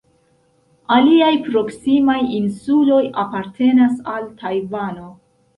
Aliaj proksimaj insuloj apartenas al Tajvano.